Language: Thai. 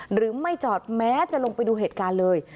หรือไม่จอดแม้จะลงไปดูเหตุการณ์เลย